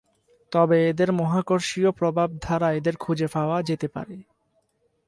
তবে এদের মহাকর্ষীয় প্রভাব দ্বারা এদের খুজে পাওয়া যেতে পারে।